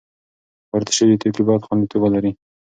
وارد شوي توکي باید خوندیتوب ولري.